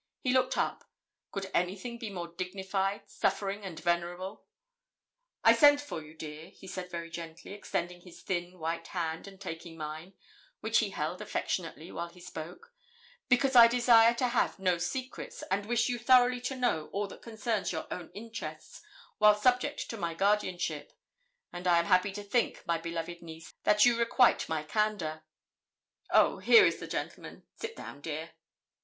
He looked up. Could anything be more dignified, suffering, and venerable? 'I sent for you, dear,' he said very gently, extending his thin, white hand, and taking mine, which he held affectionately while he spoke, 'because I desire to have no secrets, and wish you thoroughly to know all that concerns your own interests while subject to my guardianship; and I am happy to think, my beloved niece, that you requite my candour. Oh, here is the gentleman. Sit down, dear.'